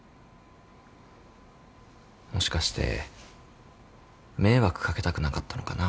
もしかして迷惑かけたくなかったのかな？